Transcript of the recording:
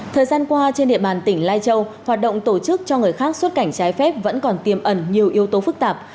thời gian qua trên địa bàn tỉnh lai châu hoạt động tổ chức cho người khác xuất cảnh trái phép vẫn còn tiềm ẩn nhiều yếu tố phức tạp